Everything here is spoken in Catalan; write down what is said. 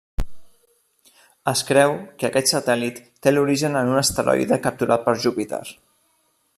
Es creu que aquest satèl·lit té l'origen en un asteroide capturat per Júpiter.